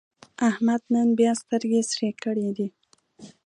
احمد نن بیا سترګې سرې کړې دي.